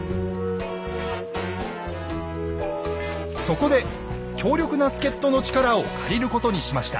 そこで協力な助っ人の力を借りることにしました。